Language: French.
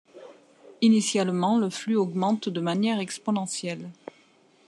Initialement, le flux augmente de manière exponentielle.